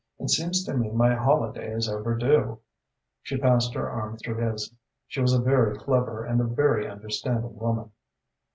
It seems to me my holiday is overdue." She passed her arm through his. She was a very clever and a very understanding woman.